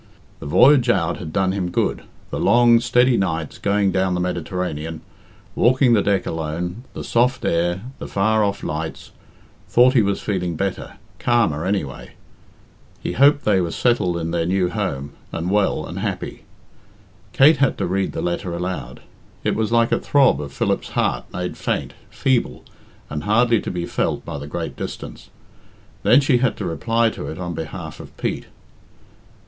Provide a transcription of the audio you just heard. The voyage out had done him good the long, steady nights going down the Mediterranean walking the deck alone the soft air the far off lights thought he was feeling better calmer anyway. He hoped they were settled in their new home, and well and happy. Kate had to read the letter aloud. It was like a throb of Philip's heart made faint, feeble, and hardly to be felt by the great distance. Then she had to reply to it on behalf of Pete.